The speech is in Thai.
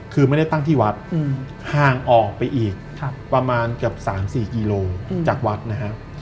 คือไม่ได้ตั้งที่วัดห่างออกไปอีกประมาณเกือบ๓๔กิโลจากวัดนะครับ